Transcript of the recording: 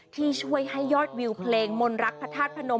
ที่ช่วยให้ยอดวิวเพลงมนตร์รักภัทรพนม